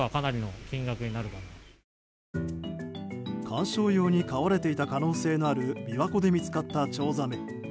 観賞用に飼われていた可能性のある琵琶湖で見つかったチョウザメ。